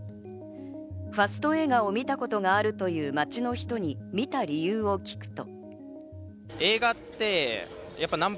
ファスト映画を見たことがあるという街の人に見た理由を聞くと。